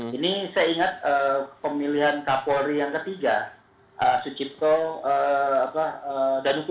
yang pertama apresiasi karena tidak diperpanjatkan